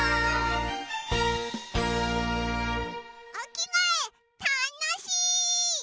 おきがえたのしい！